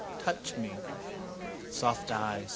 Touch me. Soft eyes.